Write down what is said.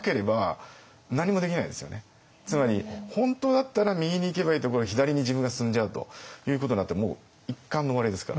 つまり本当だったら右に行けばいいところを左に自分が進んじゃうということになってもう一巻の終わりですから。